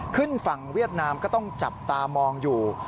ขึ้นฝั่งเวียดนามก็ต้องจับตามองอยู่